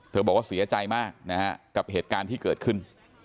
บอกว่าเสียใจมากนะฮะกับเหตุการณ์ที่เกิดขึ้น